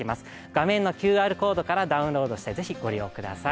画面のＱＲコードからダウンロードしてぜひ、ご利用ください。